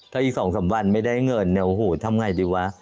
ถ้าอีก๒๓วันไม่ได้เงินเนี่ยโอ้โหทำไงดีวะ